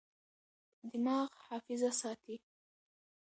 دماغ حافظه ساتي.